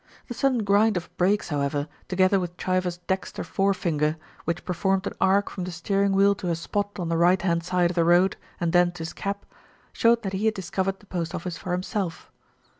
The sudden grind of brakes, however, together with Chivers' dexter fore finger, which performed an arc from the steering wheel to a spot on the right hand side of the road and then to his cap, showed that he had dis covered the post office for himself.